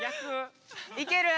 いける？